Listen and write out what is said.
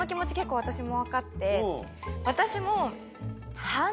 私も。